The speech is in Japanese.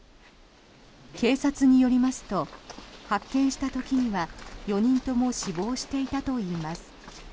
警察によりますと発見した時には４人とも死亡していたといいます。